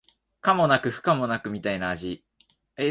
可もなく不可もなくみたいな味